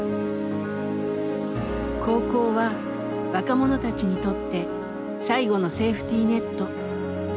「高校は若者たちにとって最後のセーフティネット」。